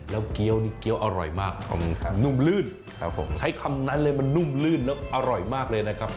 แล้วเกี้ยวนี่เกี้ยวอร่อยมากนุ่มลื่นครับผมใช้คำนั้นเลยมันนุ่มลื่นแล้วอร่อยมากเลยนะครับ